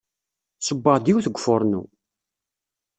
Ssewweɣ-d yiwet deg ufarnu.